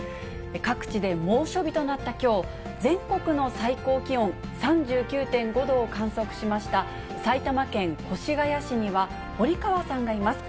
各地で猛暑日となったきょう、全国の最高気温、３９．５度を観測しました埼玉県越谷市には堀川さんがいます。